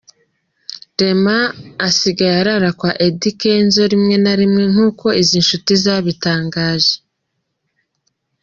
Rema asigaye arara kwa Eddy Kenzo rimwe na rimwe nkuko izi nshuti zabitangaje.